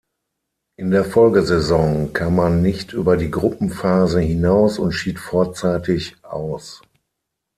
In der Folgesaison kam man nicht über die Gruppenphase hinaus und schied vorzeitig aus.